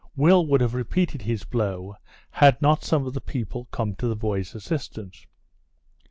Will would have repeated his blow, had not some of the people come to the boy's assistance.